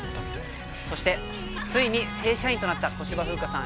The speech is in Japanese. そしてついに正社員となった小芝風花さん